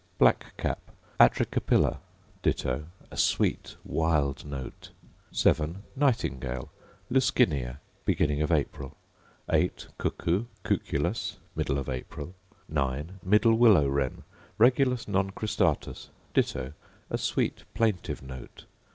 Black cap, Atricapilla: Ditto: a sweet wild note. 7. Nightingale, Luscinia: Beginning of April. 8. Cuckoo, Cuculus: Middle of April. 9. Middle willow wren, Regulus non cristatus: Ditto, a sweet plaintive note.